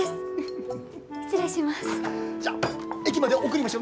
失礼します。